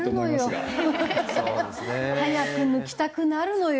早く抜きたくなるのよ。